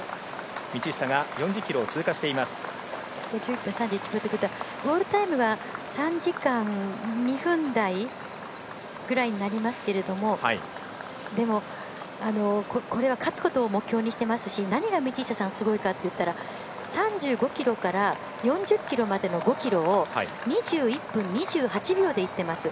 ５１分３１秒ということはゴールタイムというのは３時間２分台ぐらいになりますけれどもでも、勝つことを目標にしていますし何が道下さん、すごいかって３５ｋｍから４０ｋｍまでの５ｋｍを２１分２８秒で行っています。